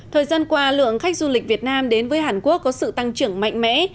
thời gian qua lượng khách du lịch việt nam đến với hàn quốc có sự tăng trưởng mạnh mẽ